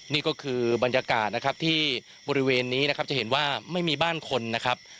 นี่ก็คือบรรยากาศนะครับที่บริเวณนี้นะครับจะเห็นว่าไม่มีบ้านคนนะครับ